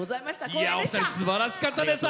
すばらしかったです。